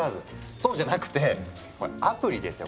そうじゃなくてアプリですよ